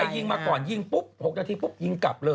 แต่ยิงมาก่อนยิงปุ๊บ๖นาทีปุ๊บยิงกลับเลย